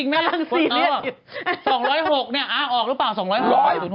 ๒๐๖เนี่ยอ้าวออกหรือเปล่า๒๐๖